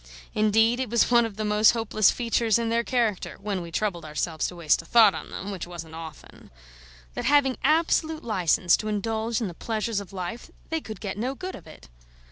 Indeed, it was one of the most hopeless features in their character (when we troubled ourselves to waste a thought on them: which wasn't often) that, having absolute licence to indulge in the pleasures of life, they could get no good of it.